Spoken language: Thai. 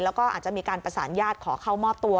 แล้วก็อาจจะมีการประสานญาติขอเข้ามอบตัว